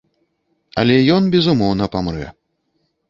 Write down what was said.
Алё ён безумоўна памрэ.